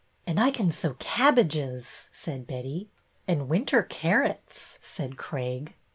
" And I can sow cabbages," said Betty. " And winter carrots," said Craig.